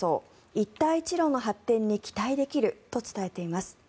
一帯一路の発展に期待できるとしています。